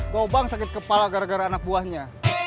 gobang sakit kepala gara gara anak buahnya